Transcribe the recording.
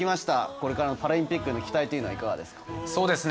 これからパラリンピックへの期待はいかがですか？